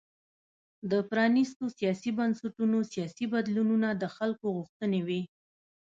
د پرانیستو سیاسي بنسټونو سیاسي بدلونونه د خلکو غوښتنې وې.